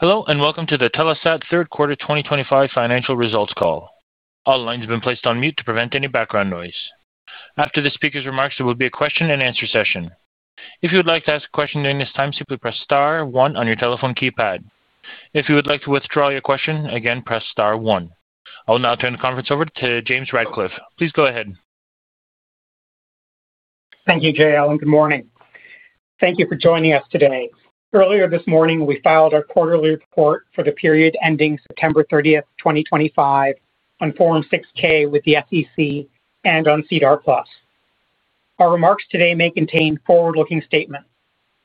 Hello, and welcome to the Telesat third quarter 2025 financial results call. All lines have been placed on mute to prevent any background noise. After the speaker's remarks, there will be a question-and-answer session. If you would like to ask a question during this time, simply press star one on your telephone keypad. If you would like to withdraw your question, again, press star one. I will now turn the conference over to James Ratcliffe. Please go ahead. Thank you, JL. Good morning. Thank you for joining us today. Earlier this morning, we filed our quarterly report for the period ending September 30th, 2025, on Form 6-K with the SEC and on SEDAR+. Our remarks today may contain forward-looking statements.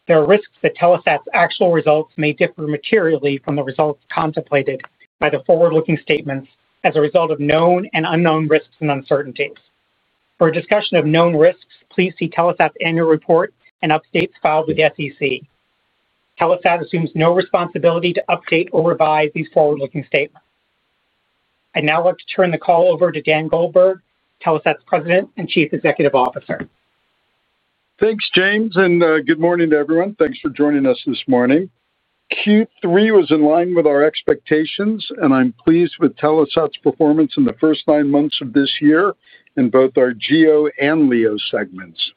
There are risks that Telesat's actual results may differ materially from the results contemplated by the forward-looking statements as a result of known and unknown risks and uncertainties. For a discussion of known risks, please see Telesat's annual report and updates filed with the SEC. Telesat assumes no responsibility to update or revise these forward-looking statements. I'd now like to turn the call over to Dan Goldberg, Telesat's President and Chief Executive Officer. Thanks, James, and good morning to everyone. Thanks for joining us this morning. Q3 was in line with our expectations, and I'm pleased with Telesat's performance in the first nine months of this year in both our GEO and LEO segments.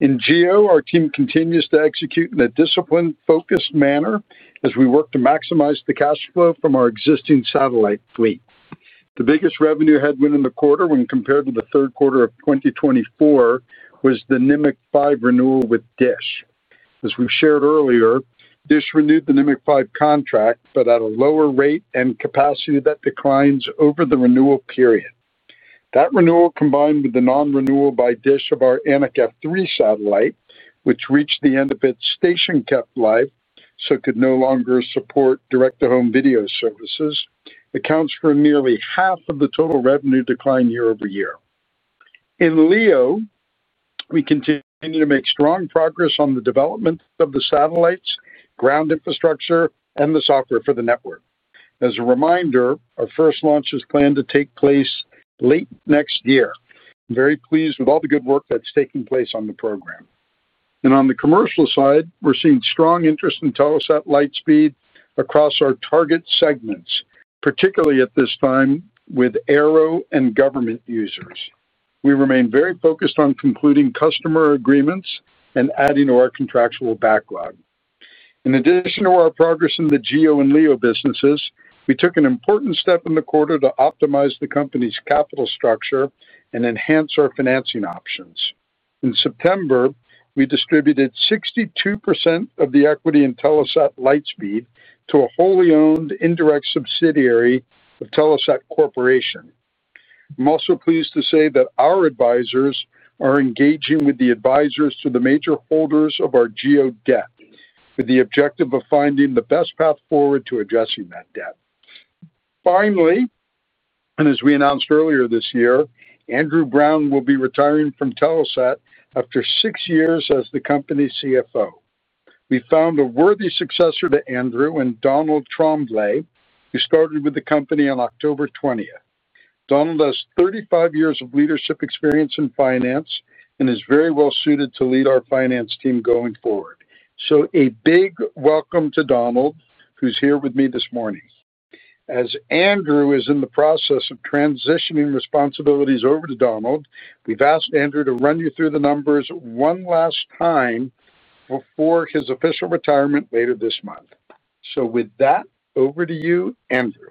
In GEO, our team continues to execute in a disciplined, focused manner as we work to maximize the cash flow from our existing satellite fleet. The biggest revenue headwind in the quarter when compared to the third quarter of 2024 was the Nimiq 5 renewal with DISH. As we've shared earlier, DISH renewed the Nimiq 5 contract, but at a lower rate and capacity that declines over the renewal period. That renewal, combined with the non-renewal by DISH of our Anik F3 satellite, which reached the end of its station kept life, so it could no longer support direct-to-home video services, accounts for nearly half of the total revenue decline year-over-year. In LEO, we continue to make strong progress on the development of the satellites, ground infrastructure, and the software for the network. As a reminder, our first launch is planned to take place late next year. I'm very pleased with all the good work that's taking place on the program. And on the commercial side, we're seeing strong interest in Telesat Lightspeed across our target segments, particularly at this time with AERO and government users. We remain very focused on concluding customer agreements and adding to our contractual backlog. In addition to our progress in the GEO and LEO businesses, we took an important step in the quarter to optimize the company's capital structure and enhance our financing options. In September, we distributed 62% of the equity in Telesat Lightspeed to a wholly owned indirect subsidiary of Telesat Corporation. I'm also pleased to say that our advisors are engaging with the advisors to the major holders of our GEO debt with the objective of finding the best path forward to addressing that debt. Finally, and as we announced earlier this year, Andrew Browne will be retiring from Telesat after six years as the company's CFO. We found a worthy successor to Andrew and Donald Tremblay, who started with the company on October 20th. Donald has 35 years of leadership experience in finance and is very well suited to lead our finance team going forward. So a big welcome to Donald, who's here with me this morning. As Andrew is in the process of transitioning responsibilities over to Donald, we've asked Andrew to run you through the numbers one last time before his official retirement later this month. So with that, over to you, Andrew.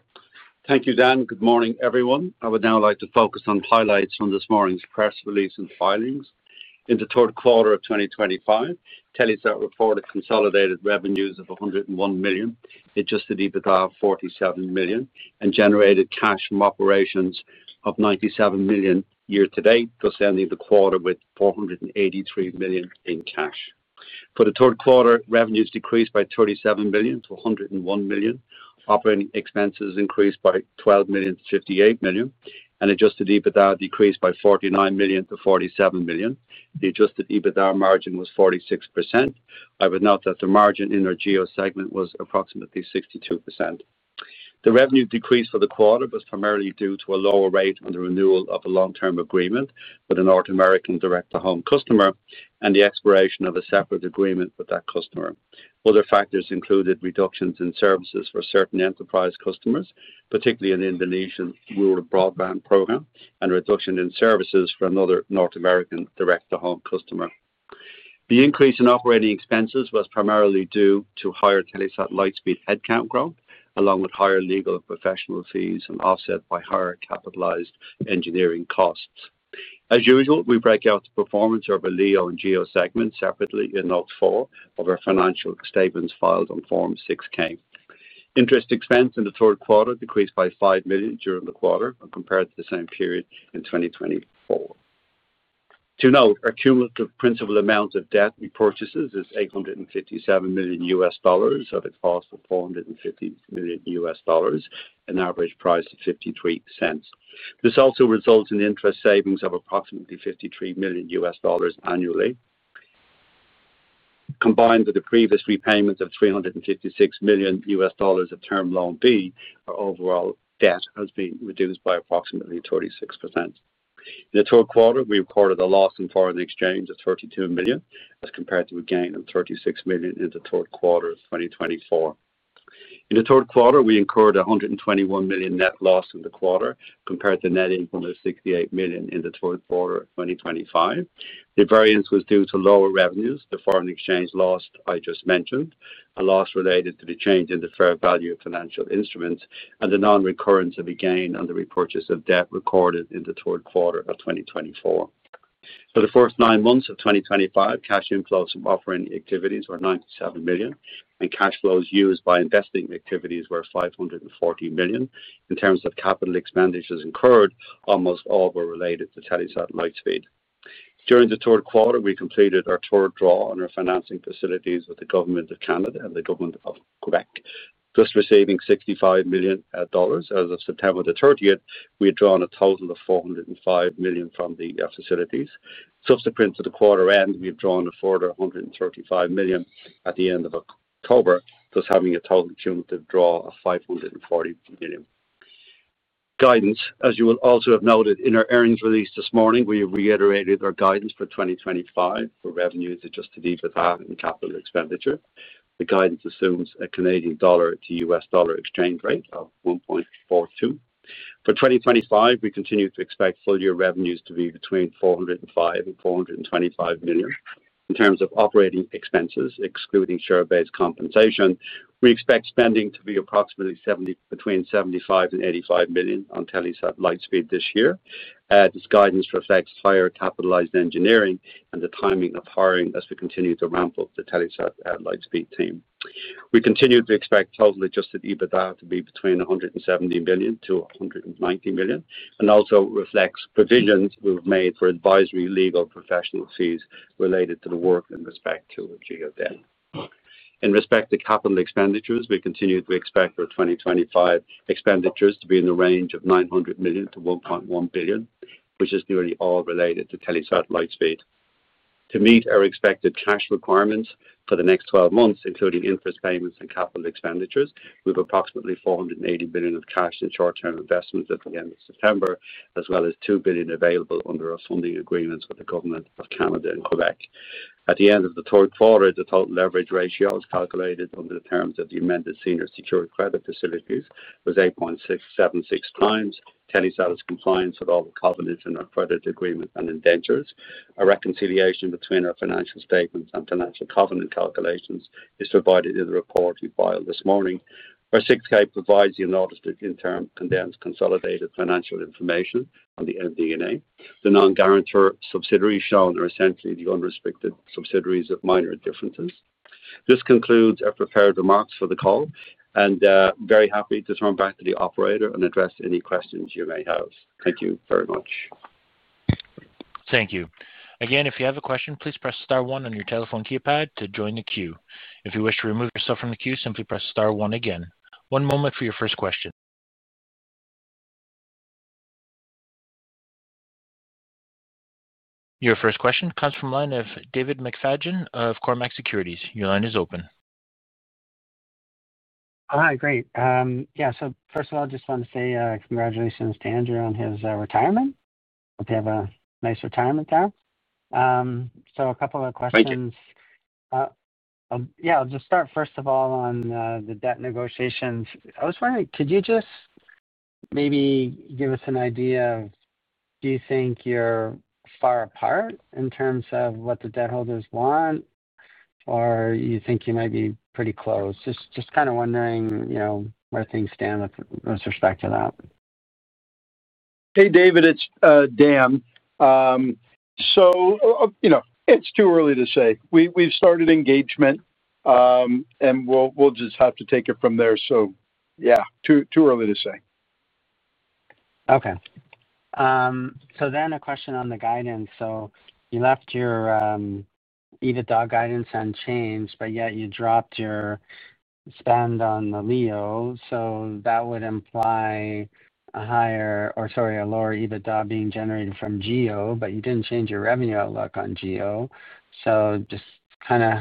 Thank you, Dan. Good morning, everyone. I would now like to focus on highlights from this morning's press release and filings. In the third quarter of 2025, Telesat reported consolidated revenues of $101 million, adjusted EBITDA of $47 million and generated cash from operations of $97 million year-to-date, thus ending the quarter with $483 million in cash. For the third quarter, revenues decreased by $37 million to $101 million. Operating expenses increased by $12 million to $58 million, and adjusted EBITDA decreased by $49 million to $47 million. The adjusted EBITDA margin was 46%. I would note that the margin in our GEO segment was approximately 62%. The revenue decrease for the quarter was primarily due to a lower rate on the renewal of a long-term agreement with a North American direct-to-home customer and the expiration of a separate agreement with that customer. Other factors included reductions in services for certain enterprise customers, particularly an Indonesian rural broadband program, and a reduction in services for another North American direct-to-home customer. The increase in operating expenses was primarily due to higher Telesat Lightspeed headcount growth, along with higher legal and professional fees and offset by higher capitalized engineering costs. As usual, we break out the performance of our LEO and GEO segments separately in Note 4 of our financial statements filed on Form 6-K. Interest expense in the third quarter decreased by $5 million during the quarter compared to the same period in 2024. To note, our cumulative principal amount of debt we purchased is $857 million, of which cost $450 million, an average price of $0.53. This also results in interest savings of approximately $53 million annually. Combined with the previous repayment of $356 million of Term Loan B, our overall debt has been reduced by approximately 36%. In the third quarter, we recorded a loss in foreign exchange of $32 million as compared to a gain of $36 million in the third quarter of 2024. In the third quarter, we incurred a $121 million net loss in the quarter compared to a net income of $68 million in the third quarter of 2024. The variance was due to lower revenues, the foreign exchange loss I just mentioned, a loss related to the change in the fair value of financial instruments, and the non-recurrence of a gain on the repurchase of debt recorded in the third quarter of 2024. For the first nine months of 2025, cash inflows from operating activities were $97 million, and cash flows used by investing activities were $540 million. In terms of capital expenditures incurred, almost all were related to Telesat Lightspeed. During the third quarter, we completed our third draw on our financing facilities with the Government of Canada and the Government of Quebec. Just receiving $65 million as of September 30th, we had drawn a total of $405 million from the facilities. Subsequent to the quarter end, we had drawn a further $135 million at the end of October, thus having a total cumulative draw of $540 million. Guidance, as you will also have noted in our earnings release this morning, we reiterated our guidance for 2025 for revenues, Adjusted EBITDA, and capital expenditure. The guidance assumes a Canadian dollar to US dollar exchange rate of 1.42. For 2025, we continue to expect full year revenues to be between $405 million and $425 million. In terms of operating expenses, excluding share-based compensation, we expect spending to be approximately between $75 million and $85 million on Telesat Lightspeed this year. This guidance reflects higher capitalized engineering and the timing of hiring as we continue to ramp up the Telesat Lightspeed team. We continue to expect total Adjusted EBITDA to be between $170 million to $190 million and also reflects provisions we've made for advisory legal professional fees related to the work in respect to GEO DEN. In respect to capital expenditures, we continue to expect our 2025 expenditures to be in the range of $900 million to $1.1 billion, which is nearly all related to Telesat Lightspeed. To meet our expected cash requirements for the next 12 months, including interest payments and capital expenditures, we have approximately $480 million of cash and short-term investments at the end of September, as well as $2 billion available under our funding agreements with the Government of Canada and the Government of Quebec. At the end of the third quarter, the total leverage ratio calculated under the terms of the amended senior secured credit facilities was 8.676 times. Telesat's compliance with all the covenants in our credit agreement and indentures. A reconciliation between our financial statements and financial covenant calculations is provided in the report we filed this morning. Our 6K provides the unaudited interim condensed consolidated financial information on the MD&A. The non-guarantor subsidiaries shown are essentially the unrestricted subsidiaries with minor differences. This concludes our prepared remarks for the call, and very happy to turn back to the operator and address any questions you may have. Thank you very much. Thank you. Again, if you have a question, please press star one on your telephone keypad to join the queue. If you wish to remove yourself from the queue, simply press star one again. One moment for your first question. Your first question comes from line of David McFadgen of Cormark Securities. Your line is open. Hi, great. Yeah, so first of all, I just want to say congratulations to Andrew on his retirement. Hope you have a nice retirement there. So a couple of questions. Thank you. Yeah, I'll just start first of all on the debt negotiations. I was wondering, could you just, maybe give us an idea of, do you think you're far apart in terms of what the debt holders want, or do you think you might be pretty close? Just kind of wondering where things stand with respect to that. Hey, David, it's Dan. So, it's too early to say. We've started engagement, and we'll just have to take it from there. So, yeah, too early to say. Okay. So then a question on the guidance. So you left your EBITDA guidance unchanged, but yet you dropped your spend on the LEO. So that would imply a higher or sorry, a lower EBITDA being generated from GEO, but you didn't change your revenue outlook on GEO. So just kind of.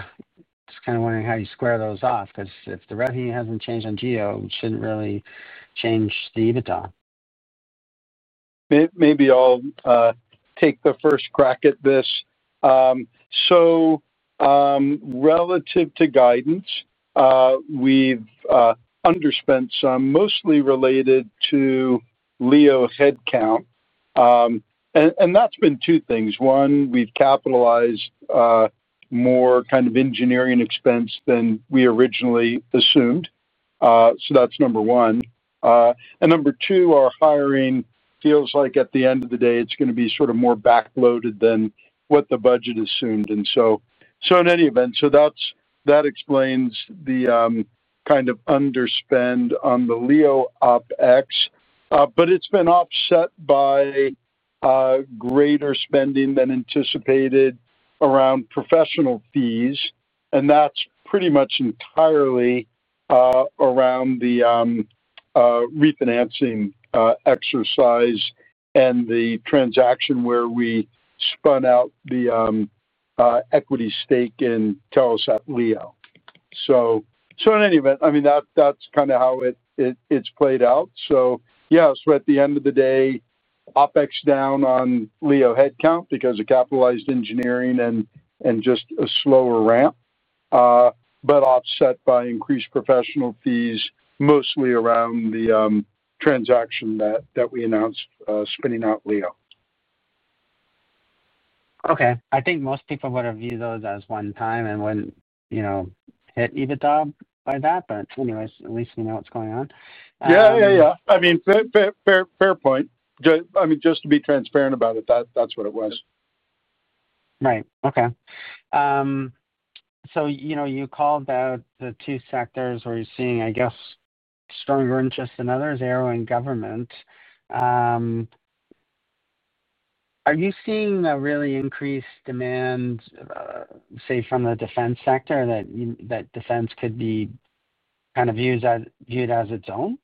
Just kind of wondering how you square those off because if the revenue hasn't changed on GEO, it shouldn't really change the EBITDA. Maybe I'll take the first crack at this. So, relative to guidance, we've underspent some, mostly related to LEO headcount. And that's been two things. One, we've capitalized more kind of engineering expense than we originally assumed. So that's number one. And number two, our hiring feels like at the end of the day, it's going to be sort of more backloaded than what the budget assumed. And so in any event, so that explains the kind of underspend on the LEO OpEx. But it's been offset by greater spending than anticipated around professional fees. And that's pretty much entirely around the refinancing exercise and the transaction where we spun out the equity stake in Telesat LEO. So in any event, I mean, that's kind of how it's played out. So yeah, so at the end of the day, OpEx down on LEO headcount because of capitalized engineering and just a slower ramp. But offset by increased professional fees, mostly around the transaction that we announced spinning out LEO. Okay. I think most people would have viewed those as one time and wouldn't hit EBITDA by that. But anyways, at least we know what's going on. Yeah, yeah, yeah. I mean, fair point. I mean, just to be transparent about it, that's what it was. Right. Okay. So you called out the two sectors where you're seeing, I guess, stronger interest than others, AERO and government. Are you seeing a really increased demand? Say from the defense sector that defense could be kind of viewed as its own?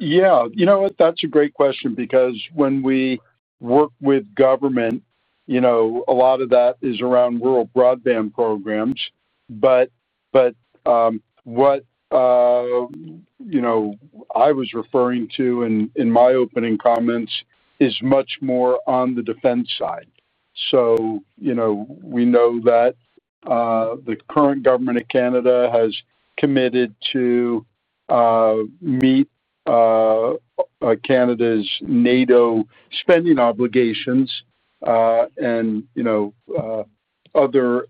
Yeah. You know what? That's a great question because when we work with government, a lot of that is around rural broadband programs. But what I was referring to in my opening comments is much more on the defense side. So we know that the current Government of Canada has committed to meet Canada's NATO spending obligations, and other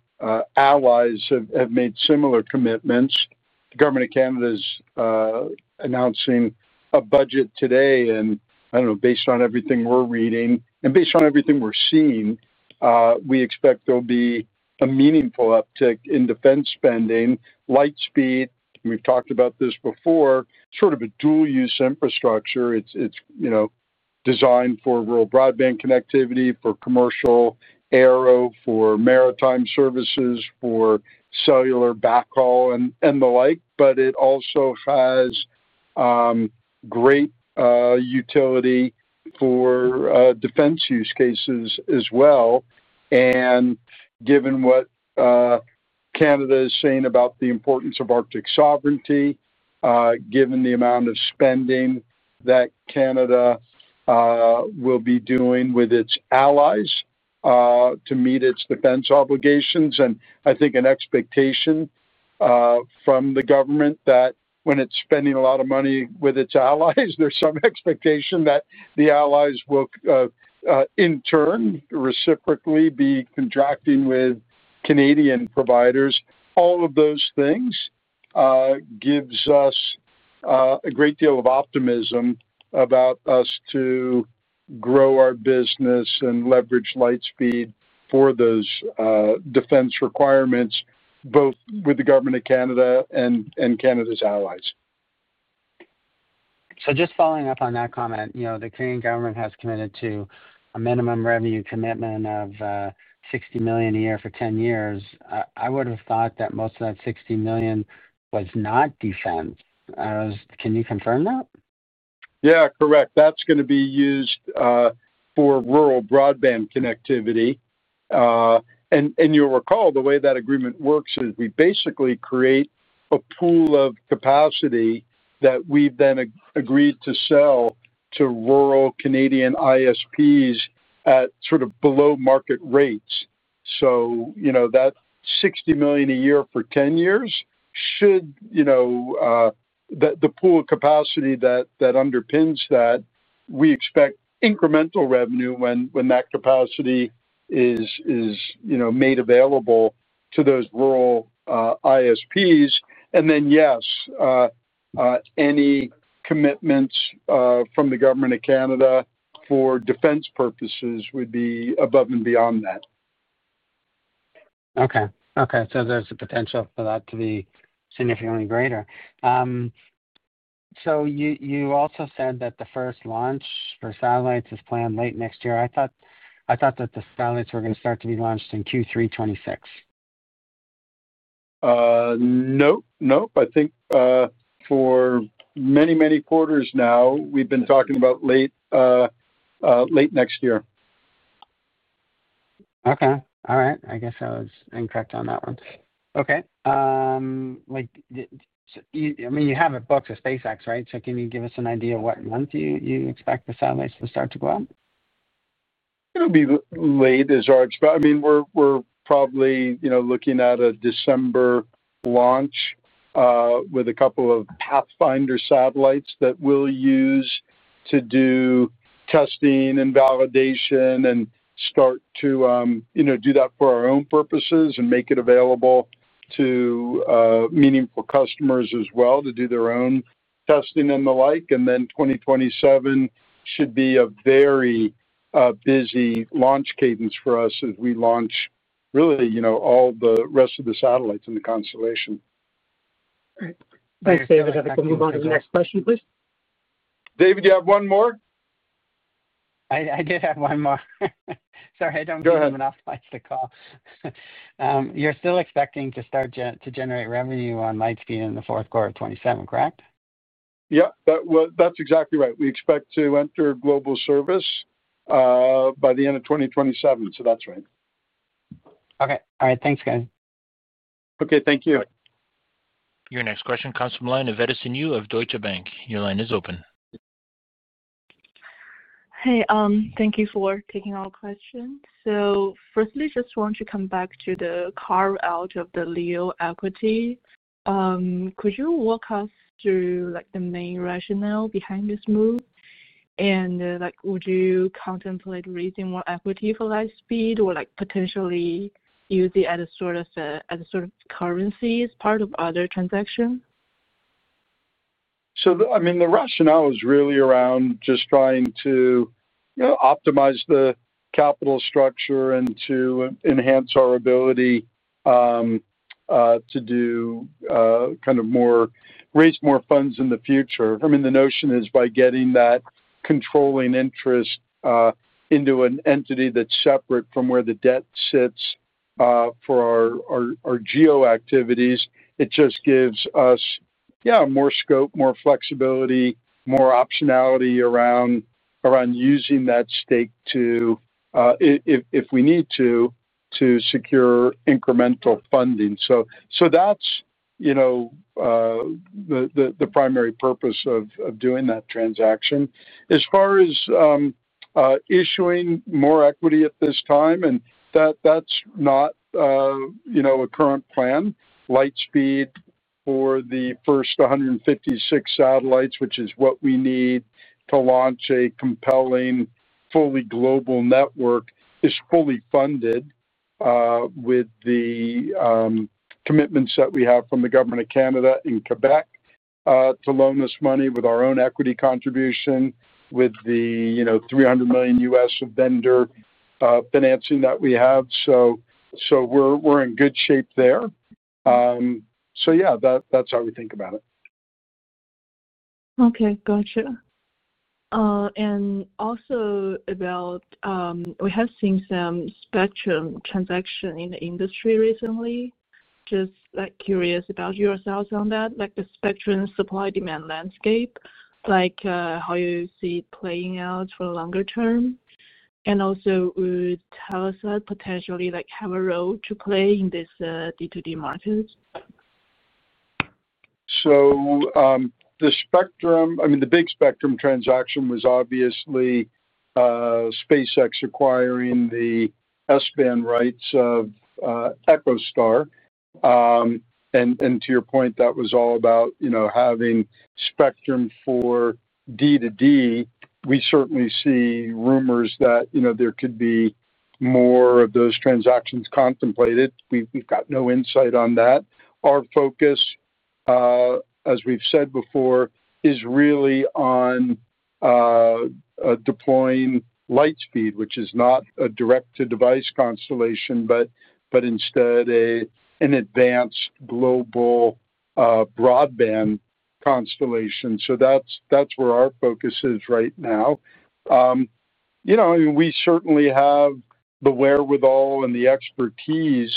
allies have made similar commitments. The Government of Canada is announcing a budget today, and I don't know, based on everything we're reading and based on everything we're seeing, we expect there'll be a meaningful uptick in defense spending. Lightspeed, we've talked about this before, sort of a dual-use infrastructure. It's designed for rural broadband connectivity, for commercial aero, for maritime services, for cellular backhaul, and the like. But it also has great utility for defense use cases as well. And given what Canada is saying about the importance of Arctic sovereignty, given the amount of spending that Canada will be doing with its allies to meet its defense obligations, and I think an expectation from the government that when it's spending a lot of money with its allies, there's some expectation that the allies will, in turn, reciprocally, be contracting with Canadian providers. All of those things gives us a great deal of optimism about us to grow our business and leverage Lightspeed for those defense requirements, both with the government of Canada and Canada's allies. So just following up on that comment, the Canadian government has committed to a minimum revenue commitment of $60 million a year for 10 years. I would have thought that most of that $60 million was not defense. Can you confirm that? Yeah, correct. That's going to be used for rural broadband connectivity. And you'll recall the way that agreement works is we basically create a pool of capacity that we've then agreed to sell to rural Canadian ISPs at sort of below market rates. So that $60 million a year for 10 years should the pool of capacity that underpins that, we expect incremental revenue when that capacity is made available to those rural ISPs. And then, yes. Any commitments from the Government of Canada for defense purposes would be above and beyond that. Okay. Okay. So there's a potential for that to be significantly greater. So you also said that the first launch for satellites is planned late next year. I thought that the satellites were going to start to be launched in Q3 2026. Nope. Nope. I think for many, many quarters now we've been talking about late next year. Okay. All right. I guess I was incorrect on that one. Okay. I mean, you have a book of SpaceX, right? So can you give us an idea of what month you expect the satellites to start to go out? It'll be late, as I expect. I mean, we're probably looking at a December launch with a couple of Pathfinder satellites that we'll use to do testing and validation and start to do that for our own purposes and make it available to meaningful customers as well to do their own testing and the like. And then 2027 should be a very busy launch cadence for us as we launch really all the rest of the satellites in the constellation. Thanks, David. I think we'll move on to the next question, please. David, do you have one more? I did have one more. Sorry, I don't want to move off the call. You're still expecting to start to generate revenue on Lightspeed in the fourth quarter of 2027, correct? Yep. That's exactly right. We expect to enter global service. By the end of 2027. So that's right. Okay. All right. Thanks, guys. Okay. Thank you. Your next question comes from Edison Yu of Deutsche Bank. Your line is open. Hey, thank you for taking our questions. So firstly, just want to come back to the carve-out of the LEO equity. Could you walk us through the main rationale behind this move? And would you contemplate raising more equity for Lightspeed or potentially using it as a sort of currency as part of other transactions? So I mean, the rationale is really around just trying to optimize the capital structure and to enhance our ability to do kind of more, raise more funds in the future. I mean, the notion is by getting that controlling interest into an entity that's separate from where the debt sits for our GEO activities, it just gives us yeah, more scope, more flexibility, more optionality around using that stake to if we need to, to secure incremental funding. So that's the primary purpose of doing that transaction. As far as issuing more equity at this time, and that's not a current plan. Lightspeed for the first 156 satellites, which is what we need to launch a compelling, fully global network, is fully funded with the commitments that we have from the Government of Canada in Quebec to loan us money with our own equity contribution, with the $300 million of vendor financing that we have. So we're in good shape there. So yeah, that's how we think about it. Okay. Gotcha. And also about. We have seen some spectrum transactions in the industry recently. Just curious about your thoughts on that, the spectrum supply-demand landscape, how you see it playing out for the longer term. And also, would Telesat potentially have a role to play in this D2D market? So, the spectrum, I mean, the big spectrum transaction was obviously SpaceX acquiring the S-band rights of EchoStar, and to your point, that was all about having spectrum for D2D. We certainly see rumors that there could be more of those transactions contemplated. We've got no insight on that. Our focus, as we've said before, is really on deploying Lightspeed, which is not a direct-to-device constellation, but instead an advanced global broadband constellation, so that's where our focus is right now. I mean, we certainly have the wherewithal and the expertise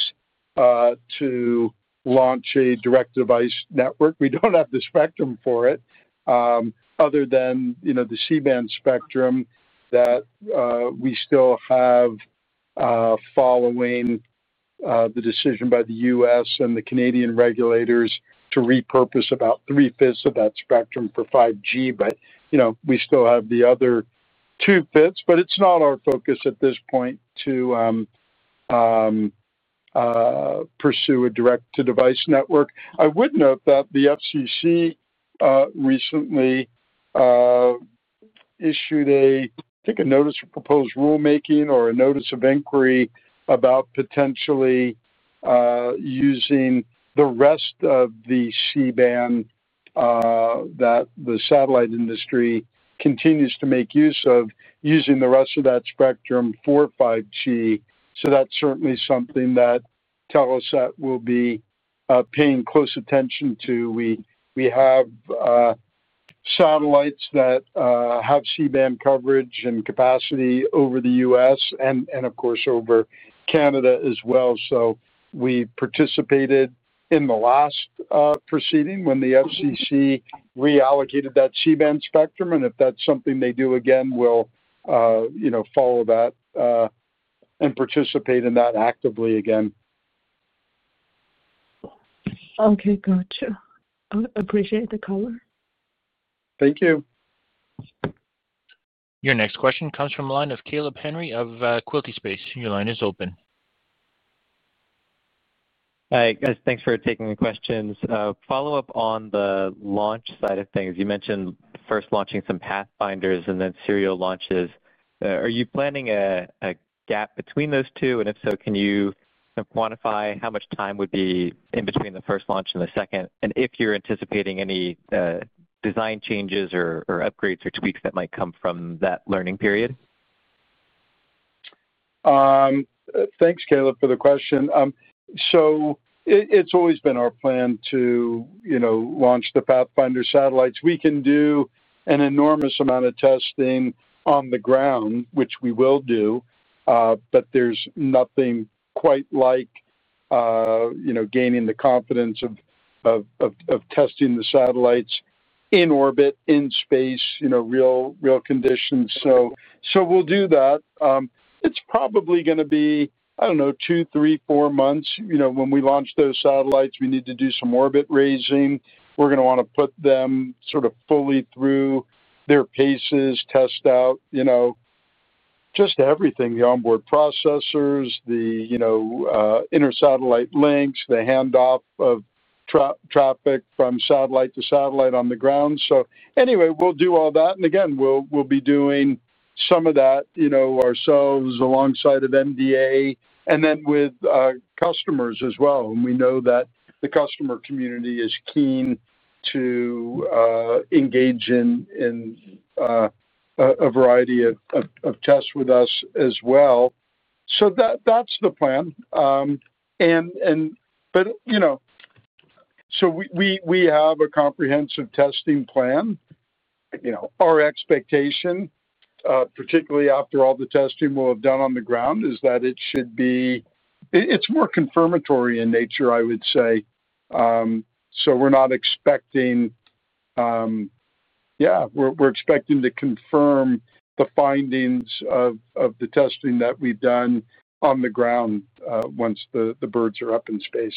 to launch a direct-to-device network. We don't have the spectrum for it other than the C-band spectrum that we still have following the decision by the U.S. and the Canadian regulators to repurpose about 3/5 of that spectrum for 5G. But we still have the other 2/5. But it's not our focus at this point to pursue a direct-to-device network. I would note that the FCC recently issued, I think, a notice of proposed rulemaking or a notice of inquiry about potentially using the rest of the C-band that the satellite industry continues to make use of, using the rest of that spectrum for 5G, so that's certainly something that Telesat will be paying close attention to. We have satellites that have C-band coverage and capacity over the U.S. and, of course, over Canada as well, so we participated in the last proceeding when the FCC reallocated that C-band spectrum, and if that's something they do again, we'll follow that and participate in that actively again. Okay. Gotcha. Appreciate the color. Thank you. Your next question comes from Caleb Henry of Quilty Space. Your line is open. Hi. Thanks for taking the questions. Follow-up on the launch side of things. You mentioned first launching some Pathfinders and then serial launches. Are you planning a gap between those two? And if so, can you quantify how much time would be in between the first launch and the second? And if you're anticipating any design changes or upgrades or tweaks that might come from that learning period? Thanks, Caleb, for the question. So it's always been our plan to launch the Pathfinder satellites. We can do an enormous amount of testing on the ground, which we will do. But there's nothing quite like gaining the confidence of testing the satellites in orbit, in space, real conditions. So we'll do that. It's probably going to be, I don't know, two, three, four months. When we launch those satellites, we need to do some orbit raising. We're going to want to put them sort of fully through their paces, test out just everything, the onboard processors, the inner satellite links, the handoff of traffic from satellite to satellite on the ground. So anyway, we'll do all that. And again, we'll be doing some of that ourselves alongside of MDA and then with customers as well. And we know that the customer community is keen to engage in a variety of tests with us as well. So that's the plan, but so we have a comprehensive testing plan. Our expectation, particularly after all the testing we'll have done on the ground, is that it should be, it's more confirmatory in nature, I would say. So we're not expecting, yeah, we're expecting to confirm the findings of the testing that we've done on the ground once the birds are up in space.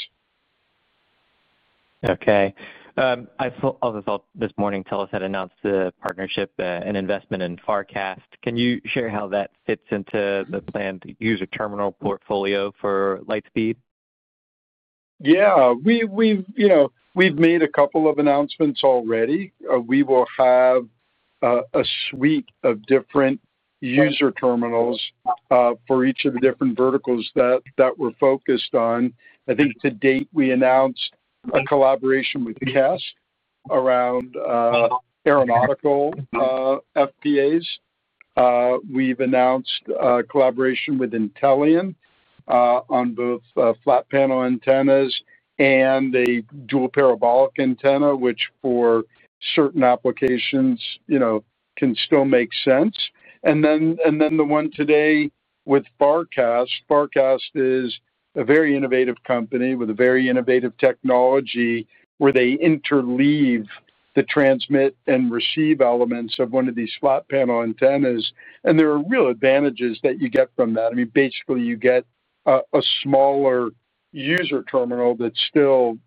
Okay. I also thought this morning Telesat announced the partnership and investment in Farcast. Can you share how that fits into the planned user terminal portfolio for Lightspeed? Yeah. We've made a couple of announcements already. We will have a suite of different user terminals for each of the different verticals that we're focused on. I think to date, we announced a collaboration with KASS around aeronautical FPAs. We've announced a collaboration with Intellian on both flat panel antennas and a dual parabolic antenna, which for certain applications can still make sense, and then the one today with Farcast. Farcast is a very innovative company with a very innovative technology where they interleave the transmit and receive elements of one of these flat panel antennas, and there are real advantages that you get from that. I mean, basically, you get a smaller user terminal that's still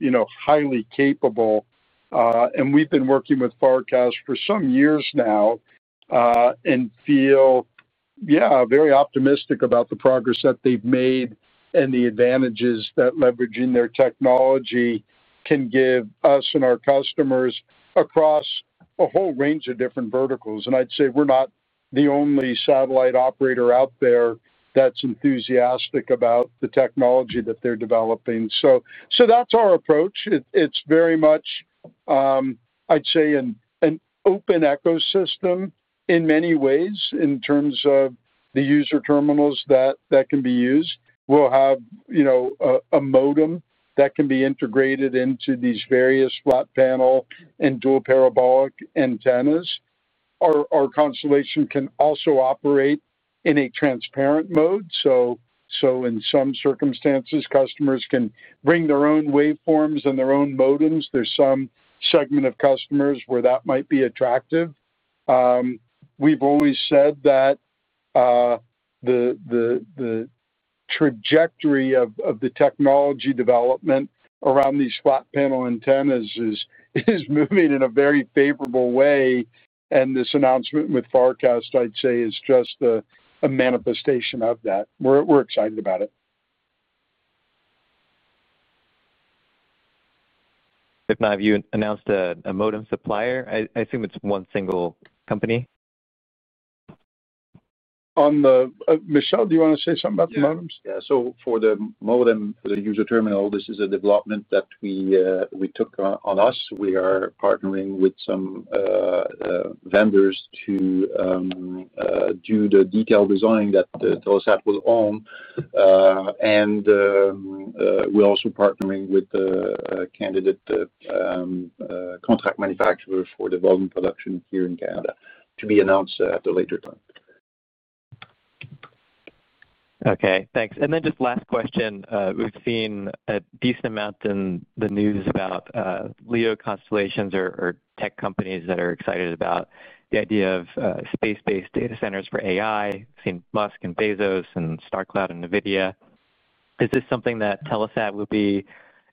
highly capable, and we've been working with Farcast for some years now, and feel, yeah, very optimistic about the progress that they've made and the advantages that leveraging their technology can give us and our customers across a whole range of different verticals, and I'd say we're not the only satellite operator out there that's enthusiastic about the technology that they're developing, so that's our approach. It's very much, I'd say, an open ecosystem in many ways in terms of the user terminals that can be used. We'll have a modem that can be integrated into these various flat panel and dual parabolic antennas. Our constellation can also operate in a transparent mode, so in some circumstances, customers can bring their own waveforms and their own modems. There's some segment of customers where that might be attractive. We've always said that the trajectory of the technology development around these flat panel antennas is moving in a very favorable way, and this announcement with Farcast, I'd say, is just a manifestation of that. We're excited about it. If not, have you announced a modem supplier? I assume it's one single company. Michel, do you want to say something about the modems? Yeah. So for the modem, the user terminal, this is a development that we took on ourselves. We are partnering with some vendors to do the detailed design that Telesat will own. And we're also partnering with a Canadian contract manufacturer for the volume production here in Canada to be announced at a later time. Okay. Thanks. And then just last question. We've seen a decent amount in the news about LEO constellations or tech companies that are excited about the idea of space-based data centers for AI. I've seen Musk and Bezos and Starcloud and NVIDIA. Is this something that Telesat will be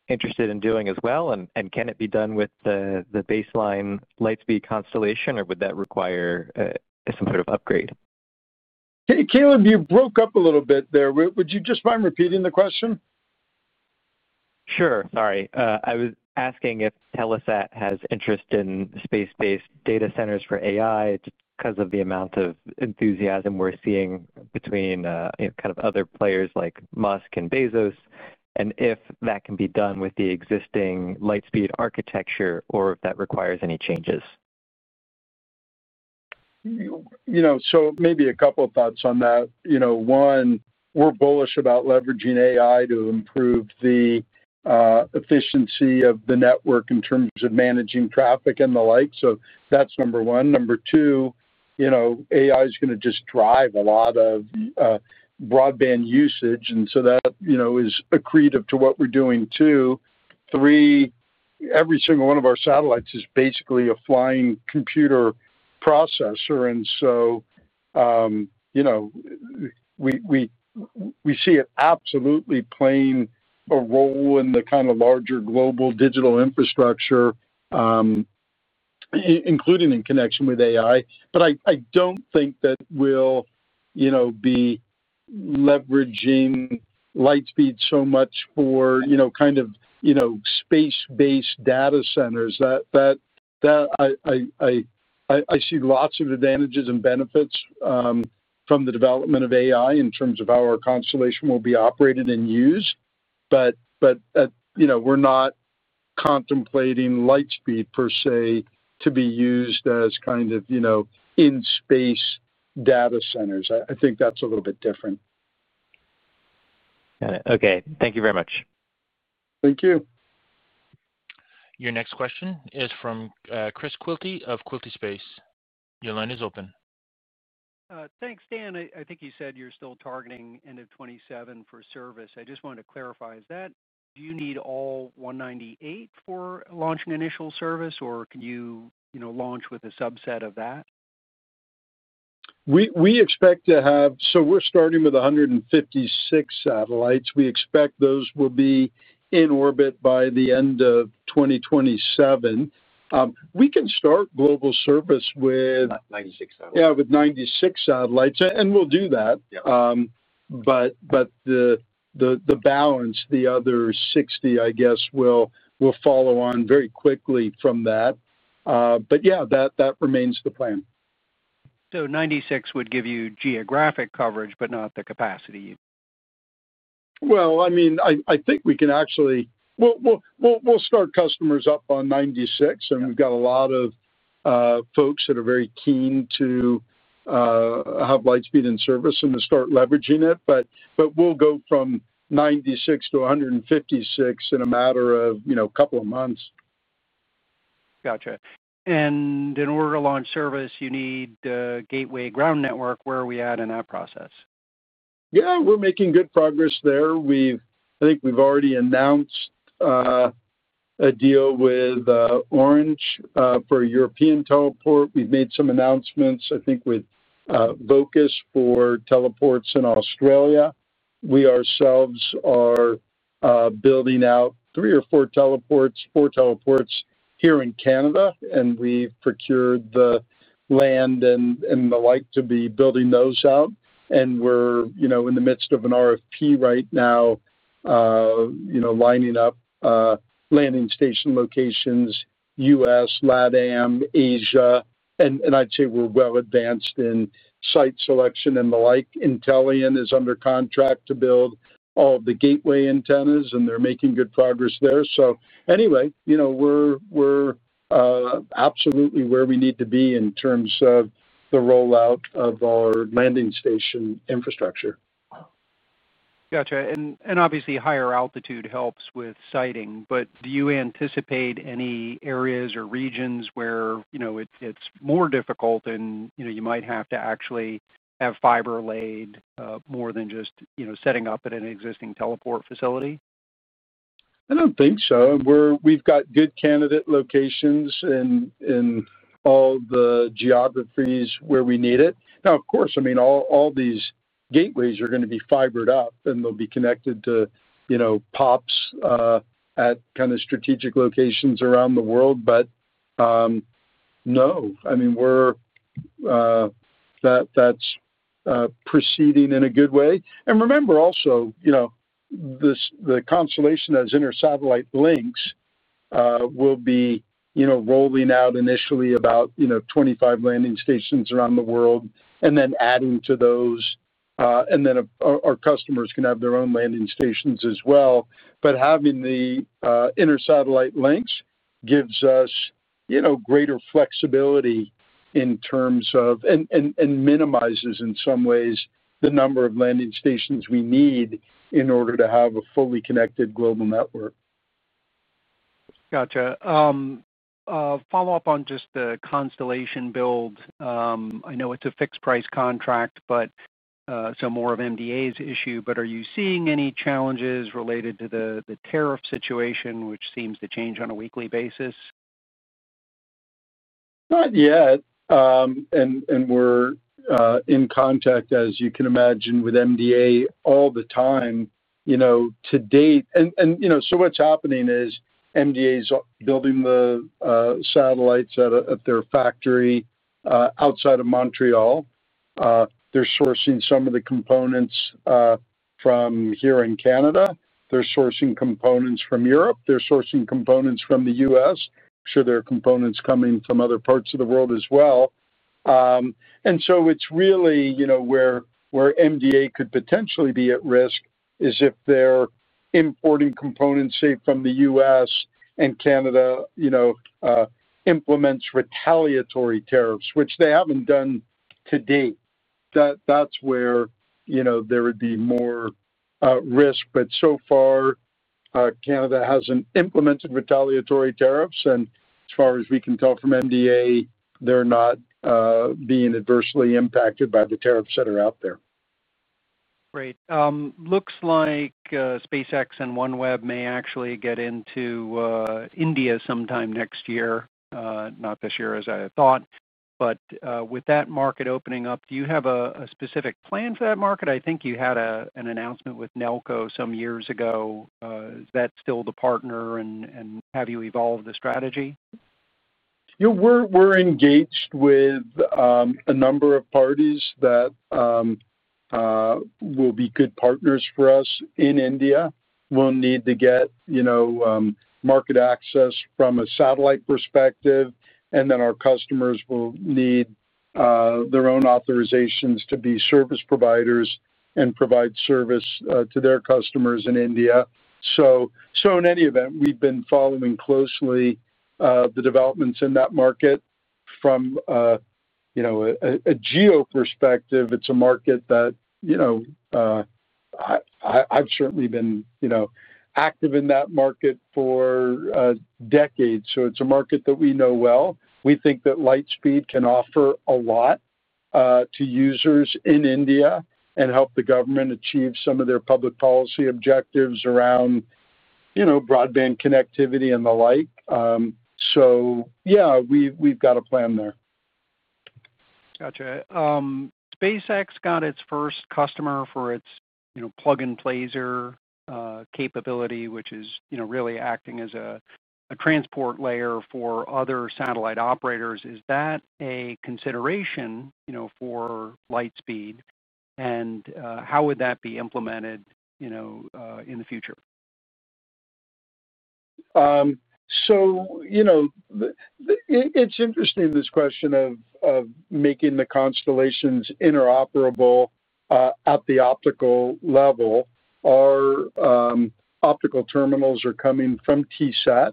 interested in doing as well? And can it be done with the baseline Lightspeed constellation, or would that require some sort of upgrade? Caleb, you broke up a little bit there. Would you just mind repeating the question? Sure. Sorry. I was asking if Telesat has interest in space-based data centers for AI because of the amount of enthusiasm we're seeing between kind of other players like Musk and Bezos and if that can be done with the existing Lightspeed architecture or if that requires any changes. So, maybe a couple of thoughts on that. One, we're bullish about leveraging AI to improve the efficiency of the network in terms of managing traffic and the like. So that's number one. Number two. AI is going to just drive a lot of broadband usage. And so that is accretive to what we're doing too. Three, every single one of our satellites is basically a flying computer processor. And so we see it absolutely playing a role in the kind of larger global digital infrastructure, including in connection with AI. But I don't think that we'll be leveraging Lightspeed so much for kind of space-based data centers. That, I see lots of advantages and benefits from the development of AI in terms of how our constellation will be operated and used. But we're not contemplating Lightspeed per se to be used as kind of in-space data centers. I think that's a little bit different. Got it. Okay. Thank you very much. Thank you. Your next question is from Chris Quilty of Quilty Space. Your line is open. Thanks, Dan. I think you said you're still targeting end of 2027 for service. I just wanted to clarify. Do you need all 198 for launch and initial service, or can you launch with a subset of that? We expect to have - so we're starting with 156 satellites. We expect those will be in orbit by the end of 2027. We can start global service with - 96 satellites. Yeah, with 96 satellites and we'll do that. The balance, the other 60, I guess, will follow on very quickly from that, but yeah, that remains the plan. So 96 would give you geographic coverage, but not the capacity. Well, I mean, I think we can actually—we'll start customers up on 96. And we've got a lot of folks that are very keen to have Lightspeed in service and to start leveraging it. But we'll go from 96 to 156 in a matter of a couple of months. Gotcha. And in order to launch service, you need the gateway ground network. Where are we at in that process? Yeah. We're making good progress there. I think we've already announced a deal with Orange for a European teleport. We've made some announcements, I think, with Vocus for teleports in Australia. We ourselves are building out three or four teleports, four teleports here in Canada, and we've procured the land and the like to be building those out, and we're in the midst of an RFP right now lining up landing station locations: U.S., LatAm, Asia, and I'd say we're well advanced in site selection and the like. Intellian is under contract to build all of the gateway antennas, and they're making good progress there, so anyway, we're absolutely where we need to be in terms of the rollout of our landing station infrastructure. Gotcha. And obviously, higher altitude helps with siting. But do you anticipate any areas or regions where it's more difficult and you might have to actually have fiber laid more than just setting up at an existing teleport facility? I don't think so. We've got good candidate locations in all the geographies where we need it. Now, of course, I mean, all these gateways are going to be fibered up, and they'll be connected to POPs at kind of strategic locations around the world, but no, I mean, that's proceeding in a good way, and remember also the constellation has inner satellite links will be rolling out initially about 25 landing stations around the world and then adding to those, and then our customers can have their own landing stations as well, but having the inner satellite links gives us greater flexibility in terms of and minimizes in some ways the number of landing stations we need in order to have a fully connected global network. Gotcha. Follow up on just the constellation build. I know it's a fixed-price contract, but. So more of MDA's issue. But are you seeing any challenges related to the tariff situation, which seems to change on a weekly basis? Not yet. And we're in contact, as you can imagine, with MDA all the time. To date. And so what's happening is MDA's building the satellites at their factory outside of Montreal. They're sourcing some of the components from here in Canada. They're sourcing components from Europe. They're sourcing components from the U.S. Sure, there are components coming from other parts of the world as well. And so it's really where MDA could potentially be at risk is if they're importing components, say, from the U.S. and Canada implements retaliatory tariffs, which they haven't done to date. That's where there would be more risk. But so far, Canada hasn't implemented retaliatory tariffs. And as far as we can tell from MDA, they're not being adversely impacted by the tariffs that are out there. Great. Looks like SpaceX and OneWeb may actually get into India sometime next year. Not this year as I had thought. But with that market opening up, do you have a specific plan for that market? I think you had an announcement with NELCO some years ago. Is that still the partner and have you evolved the strategy? We're engaged with a number of parties that will be good partners for us in India. We'll need to get market access from a satellite perspective. And then our customers will need their own authorizations to be service providers and provide service to their customers in India. So in any event, we've been following closely the developments in that market from a GEO perspective. It's a market that I've certainly been active in that market for decades. So it's a market that we know well. We think that Lightspeed can offer a lot to users in India and help the government achieve some of their public policy objectives around broadband connectivity and the like. So yeah, we've got a plan there. Gotcha. SpaceX got its first customer for its plug-and-placer capability, which is really acting as a transport layer for other satellite operators. Is that a consideration for Lightspeed? And how would that be implemented in the future? So, it's interesting, this question of making the constellations interoperable at the optical level. Our optical terminals are coming from Tesat.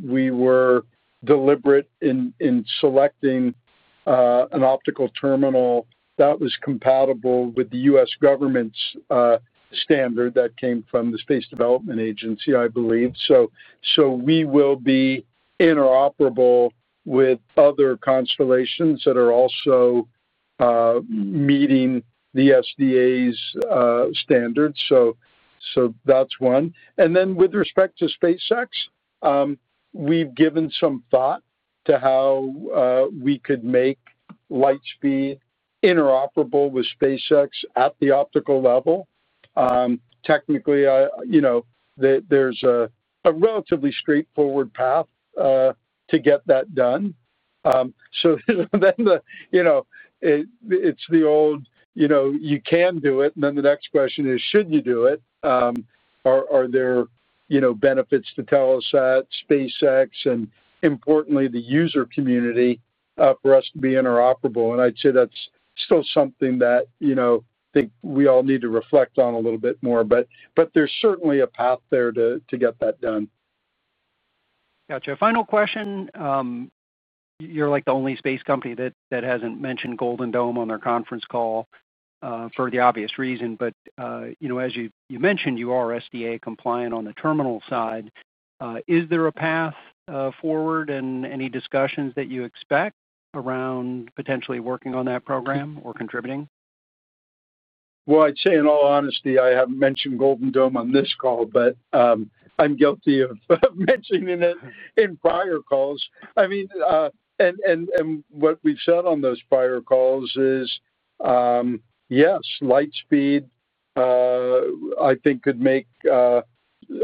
We were deliberate in selecting an optical terminal that was compatible with the U.S. government's standard that came from the Space Development Agency, I believe. So we will be interoperable with other constellations that are also meeting the SDA's standards. So, that's one. And then, with respect to SpaceX, we've given some thought to how we could make Lightspeed interoperable with SpaceX at the optical level. Technically, there's a relatively straightforward path to get that done. So then, it's the old, "You can do it." And then the next question is, "Should you do it?" Are there benefits to Telesat, SpaceX, and importantly, the user community for us to be interoperable? And I'd say that's still something that I think we all need to reflect on a little bit more. But there's certainly a path there to get that done. Gotcha. Final question. You're like the only space company that hasn't mentioned Golden Dome on their conference call. For the obvious reason. But as you mentioned, you are SDA compliant on the terminal side. Is there a path forward and any discussions that you expect around potentially working on that program or contributing? I'd say in all honesty, I haven't mentioned Golden Dome on this call, but I'm guilty of mentioning it in prior calls. I mean, and what we've said on those prior calls is yes, Lightspeed I think could make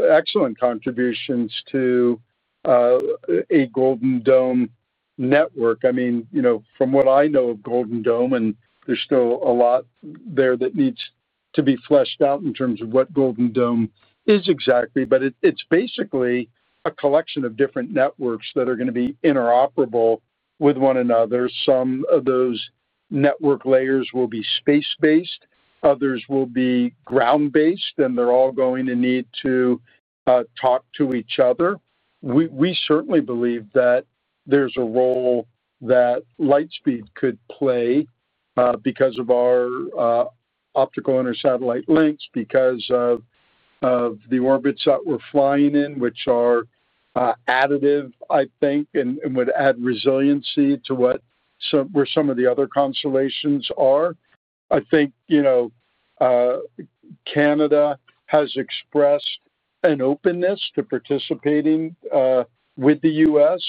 excellent contributions to a Golden Dome network. I mean, from what I know of Golden Dome, and there's still a lot there that needs to be fleshed out in terms of what Golden Dome is exactly, but it's basically a collection of different networks that are going to be interoperable with one another. Some of those network layers will be space-based. Others will be ground-based. And they're all going to need to talk to each other. We certainly believe that there's a role that Lightspeed could play because of our optical inner satellite links, because of the orbits that we're flying in, which are additive, I think, and would add resiliency to what some of the other constellations are. I think Canada has expressed an openness to participating with the U.S.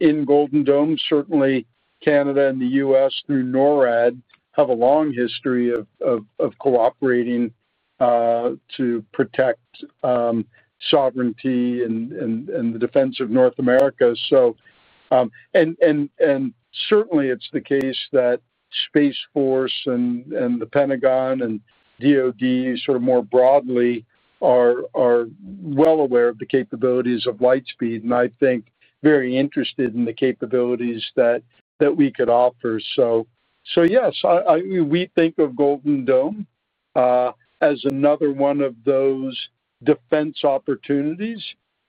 in Golden Dome. Certainly, Canada and the U.S. through NORAD have a long history of cooperating to protect sovereignty and the defense of North America. Certainly, it's the case that Space Force and the Pentagon and DOD, sort of more broadly, are well aware of the capabilities of Lightspeed and I think very interested in the capabilities that we could offer. So yes, we think of Golden Dome as another one of those defense opportunities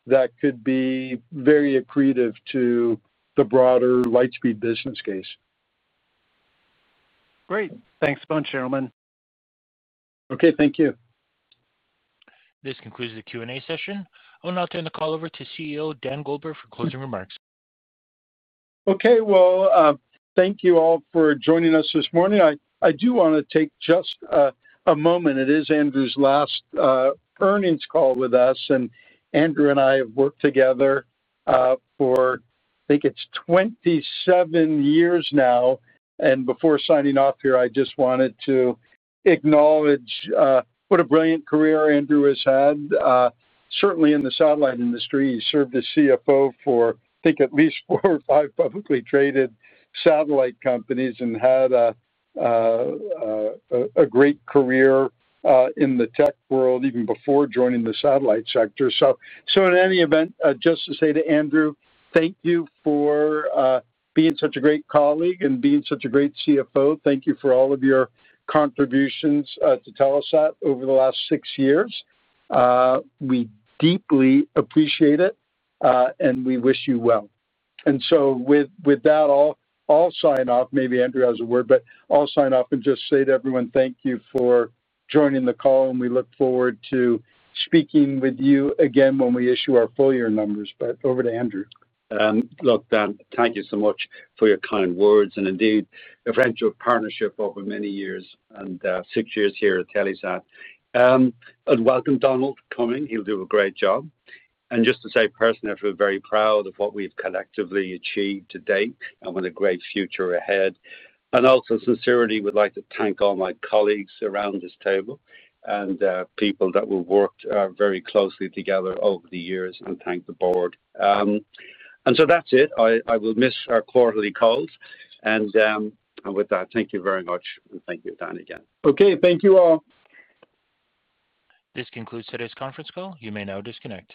that could be very accretive to the broader Lightspeed business case. Great. Thanks a bunch, gentlemen. Okay. Thank you. This concludes the Q&A session. I'll now turn the call over to CEO Dan Goldberg for closing remarks. Okay, well, thank you all for joining us this morning. I do want to take just a moment. It is Andrew's last earnings call with us, and Andrew and I have worked together for, I think, 27 years now, and before signing off here, I just wanted to acknowledge what a brilliant career Andrew has had, certainly in the satellite industry. He served as CFO for, I think, at least four or five publicly traded satellite companies and had a great career in the tech world even before joining the satellite sector, so in any event, just to say to Andrew, thank you for being such a great colleague and being such a great CFO. Thank you for all of your contributions to Telesat over the last six years. We deeply appreciate it, and we wish you well, and so with that, I'll sign off. Maybe Andrew has a word, but I'll sign off and just say to everyone, thank you for joining the call, and we look forward to speaking with you again when we issue our full year numbers, but over to Andrew. And look, Dan, thank you so much for your kind words. And indeed, a friendship partnership over many years and six years here at Telesat. And welcome, Donald, coming. He'll do a great job. And just to say personally, I feel very proud of what we've collectively achieved to date and what a great future ahead. And also, sincerely, we'd like to thank all my colleagues around this table and people that we've worked very closely together over the years and thank the board. And so that's it. I will miss our quarterly calls. And with that, thank you very much. And thank you, Dan, again. Okay. Thank you all. This concludes today's conference call. You may now disconnect.